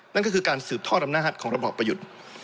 นั่นก็คือการสืบทอดอำนาจของระบอบประยุทธ์